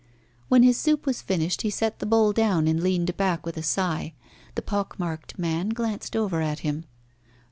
When his soup was finished he set the bowl down and leaned back with a sigh. The pock marked man glanced over at him.